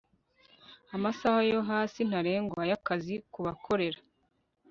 amasaha yo hasi ntarengwa y akazi ku bakorera